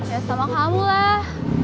ya sama kamu lah